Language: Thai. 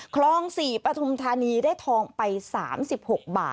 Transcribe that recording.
ครองสี่ปฐมฐานีได้ทองไปสามสิบหกบาท